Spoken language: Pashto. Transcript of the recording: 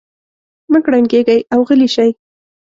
مه کړنګېږئ او غلي شئ.